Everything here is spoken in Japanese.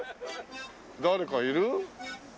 誰かいる？